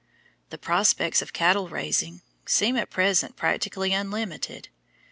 The prospects of cattle raising seem at present practically unlimited.